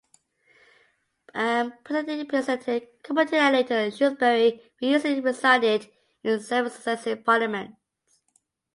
Pulteney represented Cromarty and later Shrewsbury, where he usually resided, in seven successive Parliaments.